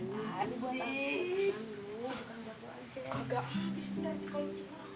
kagak habis udah dikocok